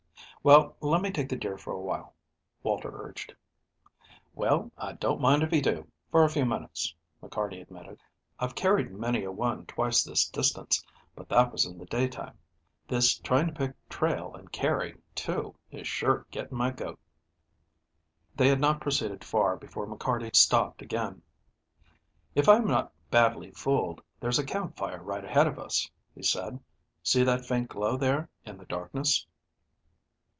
"Well, let me take the deer for a while," Walter urged. "Well, I don't mind if you do, for a few minutes," McCarty admitted. "I've carried many a one twice this distance, but that was in the day time. This trying to pick trail and carry too is sure getting my goat." They had not proceeded far before McCarty stopped again. "If I am not badly fooled, there's a campfire right ahead of us," he said. "See that faint glow there in the darkness."